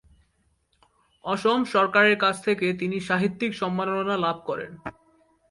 অসম সরকার এর কাছ থেকে তিনি সাহিত্যিক সম্মাননা লাভ করেন।